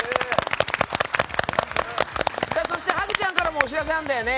そして、ハグちゃんからもお知らせがあるんだよね。